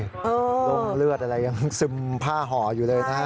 ลงเลือดอะไรยังซึมผ้าห่ออยู่เลยนะฮะ